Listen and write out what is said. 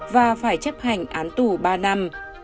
và phải chấp hành án tù ba năm